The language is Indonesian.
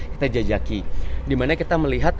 kita jajaki dimana kita melihat